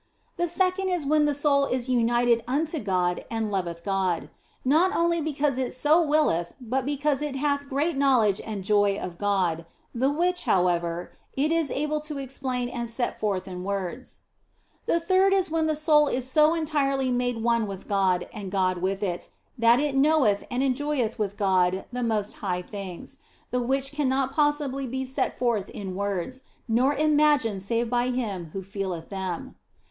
The second is when the soul is united unto God and loveth God ; not only because it so willeth, but because it hath great knowledge and joy of God, the which, how ever, it is able to explain and set forth in words. The third is when the soul is so entirely made one with God and God with it, that it knoweth and enjoyeth with God the most high things, the which cannot possibly be set forth in words, nor imagined save by him who feeleth them.